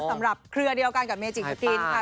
สำหรับเครือเดียวกันกับเมจิกสตรีนค่ะ